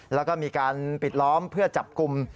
แล้วก็มีการปิดล้อมเพื่อจับกลุ่ม